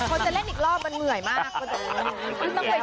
พอจะเล่นอีกรอบมันเหนื่อยมาก